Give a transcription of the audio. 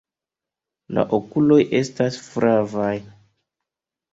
La okuloj estas flavaj.